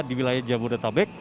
di wilayah jabodetabek